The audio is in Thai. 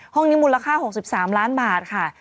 ห้องนี้มูลค่า๖๓ล้านบาทค่ะ